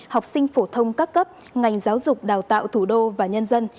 học sinh phổ thông các cấp ngành giáo dục đào tạo thủ đô và nhân dân